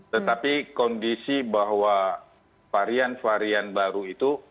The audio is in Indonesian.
tetapi kondisi bahwa varian varian baru itu